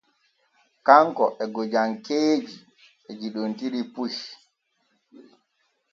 Kanko e gojankeeje ɓe yiɗontiri puy.